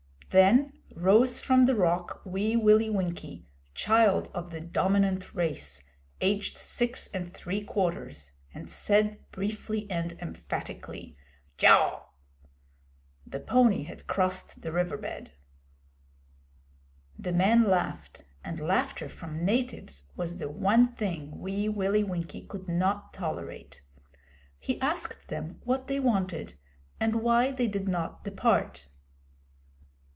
Then rose from the rock Wee Willie Winkie, child of the Dominant Race, aged six and three quarters, and said briefly and emphatically 'Jao!' The pony had crossed the river bed. The men laughed, and laughter from natives was the one thing Wee Willie Winkie could not tolerate. He asked them what they wanted and why they did not depart.